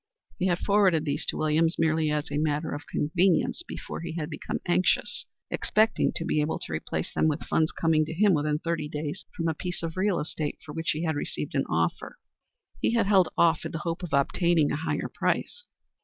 He had forwarded these to Williams merely as a matter of convenience before he had become anxious, expecting to be able to replace them with funds coming to him within thirty days from a piece of real estate for which he had received an offer. He had held off in the hope of obtaining a higher price.